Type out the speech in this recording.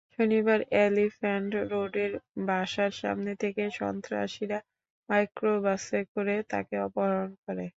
শনিবার এলিফ্যান্ট রোডের বাসার সামনে থেকে সন্ত্রাসীরা মাইক্রোবাসে করে তাঁকে অপহরণ করে।